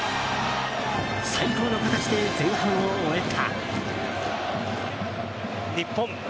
最高の形で前半を終えた。